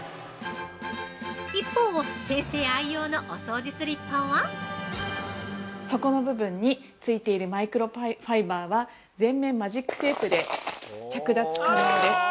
一方、先生愛用のお掃除スリッパは◆底の部分についているマイクロファイバーは、全面マジックテープで着脱可能です。